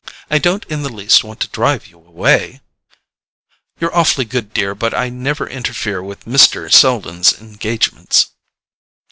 "I don't in the least want to drive you away." "You're awfully good, dear, but I never interfere with Mr. Selden's engagements."